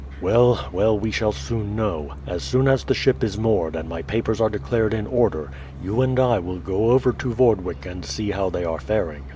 "Well, well; we shall soon know. As soon as the ship is moored and my papers are declared in order, you and I will go over to Vordwyk and see how they are faring.